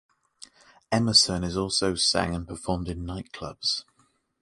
Emerson also sang and performed in nightclubs.